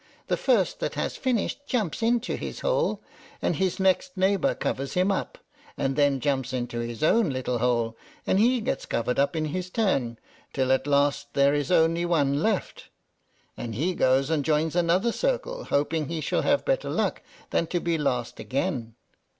The first that has finished jumps into his hole, and his next neighbor covers him up, and then jumps into his own little hole, and he gets covered up in his turn, till at last there is only one left, and he goes and joins another circle, hoping he shall have better luck than to be last again.